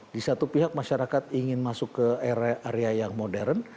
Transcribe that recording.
di satu pihak masyarakat ingin masuk ke area yang modern